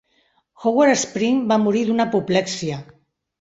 Howard Spring va morir d'una apoplexia.